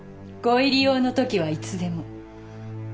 ご入り用の時はいつでも。